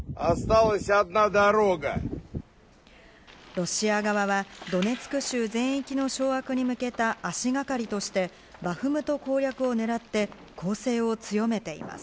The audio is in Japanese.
ロシア側はドネツク州全域の掌握に向けた足がかりとして、バフムト攻略をねらって攻勢を強めています。